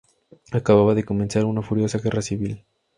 Acababa de comenzar una furiosa guerra civil.